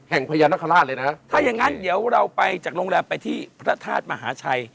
อัจจันครับเดี๋ยวเราไปไหนก็ต้องไปที่วัดพระธาตุมหาชัย